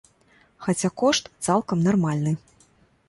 Хаця кошт цалкам нармальны.